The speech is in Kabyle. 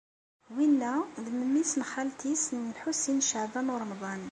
Winna d memmi-s n xalti-s n Lḥusin n Caɛban u Ṛemḍan.